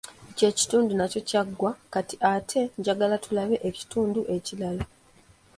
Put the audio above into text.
Ekyo ekitundu nakyo kyaggwa, kati ate njagala tulabe ekitundu ekirala.